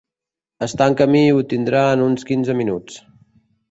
Està en camí i ho tindrà en uns quinze minuts.